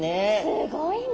すごいね。